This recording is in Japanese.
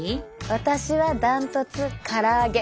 私は断トツから揚げ。